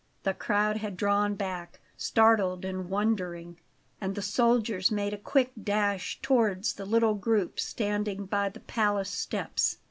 The crowd had drawn back, startled and wondering; and the soldiers made a quick dash towards the little group standing by the palace steps.